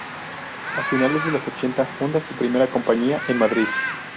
A finales de los ochenta, funda en su primera compañía en Madrid.